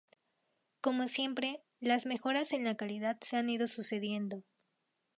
Como siempre, las mejoras en la calidad se han ido sucediendo.